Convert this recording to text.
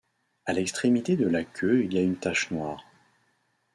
A l’extrémité de la queue il y a une tâche noire.